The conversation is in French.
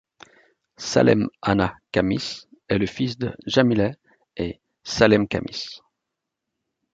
Salem Hanna Khamis est le fils de Jamileh et Salem Khamis.